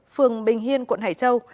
phường bình hiên quận hải châu